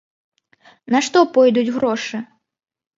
На што пойдуць грошы?